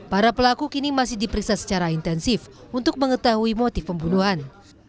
para pelaku kini masih diperiksa secara intensif untuk mengetahui motif pembunuhan